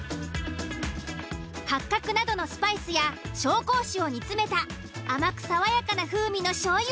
八角などのスパイスや紹興酒を煮詰めた甘く爽やかな風味のしょうゆ